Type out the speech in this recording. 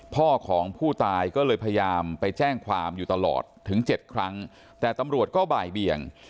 พ่อของผู้ตายก็เลยพยายามไปแจ้งความอยู่ตลอดถึงเจ็ดครั้งแต่ตำรวจก็บ่ายเบียง